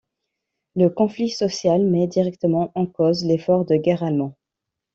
Le conflit social met directement en cause l'effort de guerre allemand.